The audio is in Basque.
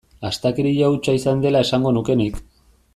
Astakeria hutsa izan dela esango nuke nik.